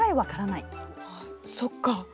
あそっか。